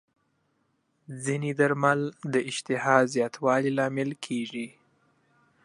ځینې درمل د اشتها زیاتوالي لامل کېږي.